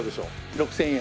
６０００円。